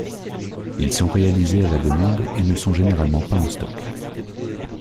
Ils sont réalisés à la demande et ne sont généralement pas en stock.